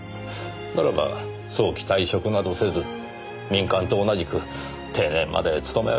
ならば早期退職などせず民間と同じく定年まで勤め上げれば済む話です。